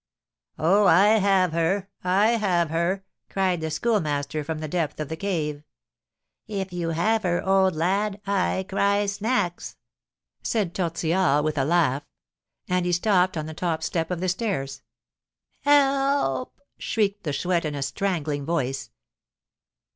"Oh, I have her! I have her!" cried the Schoolmaster, from the depth of the cave. "If you have her, old lad, I cry snacks," said Tortillard, with a laugh. And he stopped on the top step of the stairs. "Help!" shrieked the Chouette, in a strangling voice.